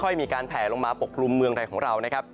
มีการแผลลงมาปกครุมเมืองไทยของเรานะครับ